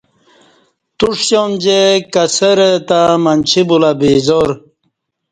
تو ݜیام جے کسہ رہ تہ منچی بولہ بے زا ر